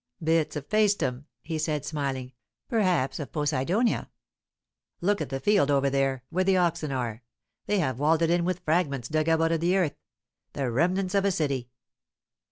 "Bits of Paestum," he said, smiling; "perhaps of Poseidonia. Look at the field over there, where the oxen are; they have walled it in with fragments dug up out of the earth, the remnants of a city."